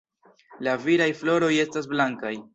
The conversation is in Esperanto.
La viraj floroj estas blankaj.